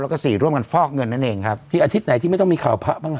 แล้วก็สี่ร่วมกันฟอกเงินนั่นเองครับมีอาทิตย์ไหนที่ไม่ต้องมีข่าวพระบ้างอ่ะ